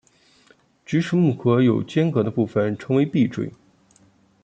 菊石目壳有间隔的部份称为闭锥。